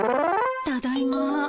ただいま。